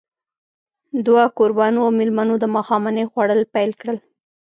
دوه کوربانو او مېلمنو د ماښامنۍ خوړل پيل کړل.